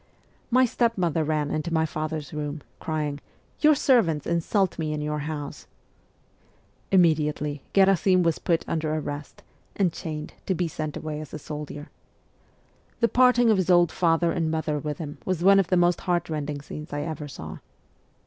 My stepmother ran into father's room, crying, ' Your servants insult me in your house !' Immediately Gherasim was put under arrest, and chained, to be sent away as a soldier. The parting of his old father and mother with him was one of the most heartrending scenes I ever saw.